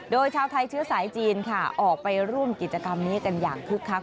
โดยชาวไทยเชื้อสายจีนค่ะออกไปร่วมกิจกรรมนี้กันอย่างคึกคัก